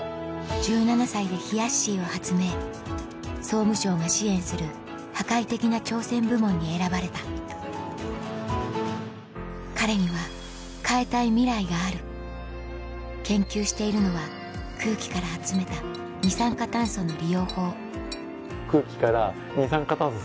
１７歳で「ひやっしー」を発明総務省が支援する「破壊的な挑戦部門」に選ばれた彼には変えたいミライがある研究しているのは空気から集めた二酸化炭素の利用法空気から二酸化炭素